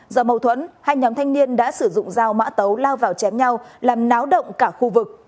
do mâu thuẫn hai nhóm thanh niên đã sử dụng dao mã tấu lao vào chém nhau làm náo động cả khu vực